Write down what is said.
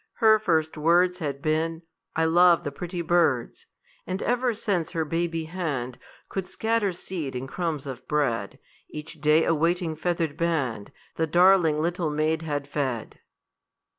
Her first words Had been, "I love the pretty birds;" And ever since her baby hand Could scatter seed and crumbs of bread, Each day a waiting feathered band The darling little maid had fed.